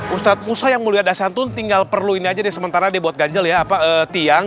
ustadz ustadz yang mulia dasantun tinggal perlu ini aja deh sementara dibuat ganjel ya apa tiang